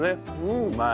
うまい。